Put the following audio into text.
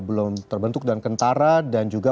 belum terbentuk dan kentara dan juga